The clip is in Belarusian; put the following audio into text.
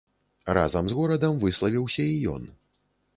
Разам з горадам выславіўся і ён.